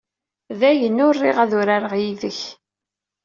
Dayen ur riɣ ad urareɣ yid-k.